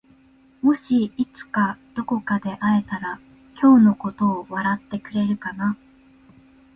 もしいつかどこかで会えたら今日のことを笑ってくれるかな？